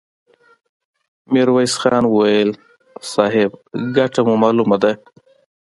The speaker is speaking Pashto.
ميرويس خان وويل: صيب! ګټه مو مالومه ده!